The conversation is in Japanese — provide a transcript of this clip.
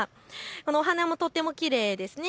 お花もとってもきれいですね。